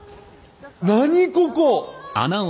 何ここ！